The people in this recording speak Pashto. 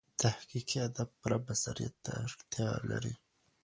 تحقیقي ادب پوره بصیرت ته اړتیا لري.